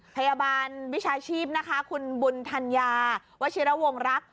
พยาบาลวิชาชีพนะคะคุณบุญธัญญาวชิระวงรัก